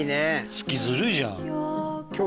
月ずるいじゃん。